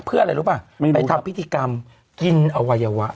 เพื่ออะไรรู้ป่ะไปทำพิธีกรรมกินอวัยวะ